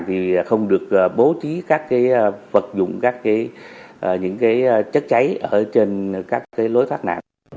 thì không được bố trí các cái vật dụng các cái những cái chất cháy ở trên các cái lối thoát nạn